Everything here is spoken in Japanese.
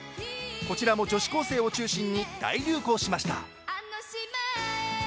こちらも女子高生を中心に大流行しました。